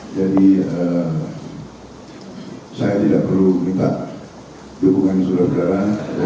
jadi saya tidak perlu minta dukungan saudara saudara